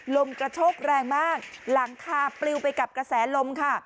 ลมกระโชกแรงมากหลังคาปลิวไปกับกระแสลมค่ะ